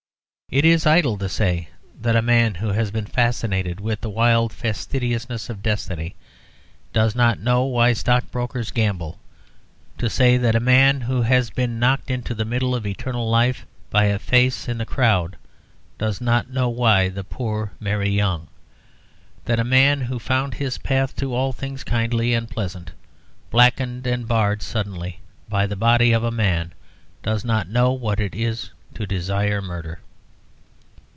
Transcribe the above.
It is idle to say that a man who has been fascinated with the wild fastidiousness of destiny does not know why stockbrokers gamble, to say that a man who has been knocked into the middle of eternal life by a face in a crowd does not know why the poor marry young; that a man who found his path to all things kindly and pleasant blackened and barred suddenly by the body of a man does not know what it is to desire murder.